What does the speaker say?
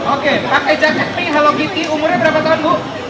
oke pakai jaket mi hello kitty umurnya berapa tahun bu